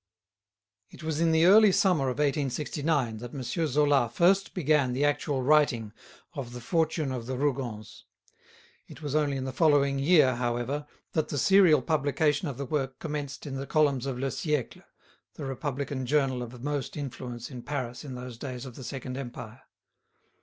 It was in the early summer of 1869 that M. Zola first began the actual writing of "The Fortune of the Rougons." It was only in the following year, however, that the serial publication of the work commenced in the columns of "Le Siècle," the Republican journal of most influence in Paris in those days of the Second Empire.